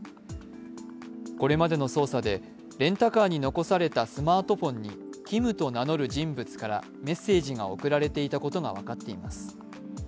これまでの捜査でレンタカーに残されたスマートフォンにＫｉｍと名乗る人物からメッセージが送られていたことが分かっています。